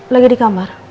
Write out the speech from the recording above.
lagi di kamar